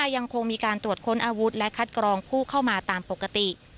ยังคงมีการตรวจค้นอาวุธและคัดกรองผู้เข้ามาตามปกติ